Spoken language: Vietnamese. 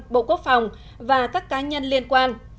bộ quốc phòng và các cá nhân liên quan